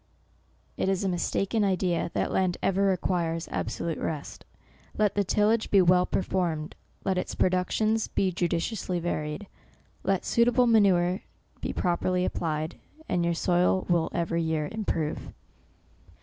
It is a mistaken idea, that land ever re quires absolute rest. Let the tillage be well OCTOBER, 185 performed ; let its productions be judiciously varsed ; let suitable manure be properly ap plied ; and your soil will every year improve.